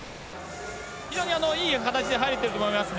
非常にいい形で入れていると思いますね。